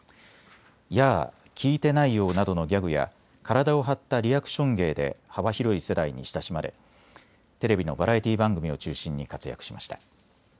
ヤー！、聞いてないよォなどのギャグや体を張ったリアクション芸で幅広い世代に親しまれ、テレビのバラエティー番組を中心に活躍しました。